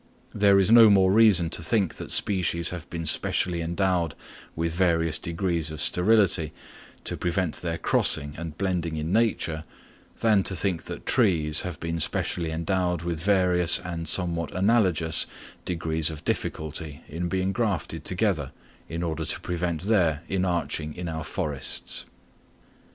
There is no more reason to think that species have been specially endowed with various degrees of sterility to prevent their crossing and blending in nature, than to think that trees have been specially endowed with various and somewhat analogous degrees of difficulty in being grafted together in order to prevent their inarching in our forests.